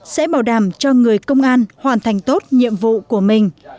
sẽ bảo đảm cho người công an hoàn thành tốt nhiệm vụ của mình